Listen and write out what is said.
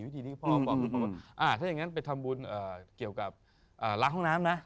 ถ้าอย่างนั้นไปทำบุญเกี่ยวกับล้างห้องน้ำนะ